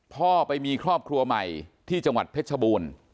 พ่อไปมีครอบครัวใหม่ที่จังหวัดเพชรชบูรณ์